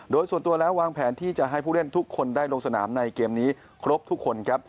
โดยส่วนตัวแล้ววางแผนที่จะให้ผู้เล่นทุกคนได้ลงสนามในเกมนี้ครบทุกคนครับ